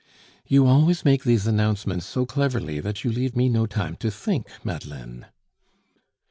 "You always make these announcements so cleverly that you leave me no time to think, Madeleine."